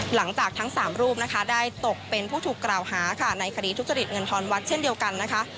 หลังจากทั้ง๓รูปนะคะได้ตกเป็นผู้ถูกกล่าวหาค่ะในคดีทุจริตเงินทอนวัดเช่นเดียวกันนะคะ